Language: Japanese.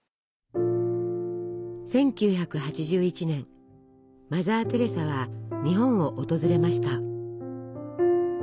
１９８１年マザー・テレサは日本を訪れました。